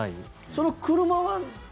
その車は？